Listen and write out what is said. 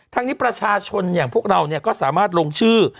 ทั้งนี้ประชาชนอย่างพวกเราก็สามารถลงชื่อ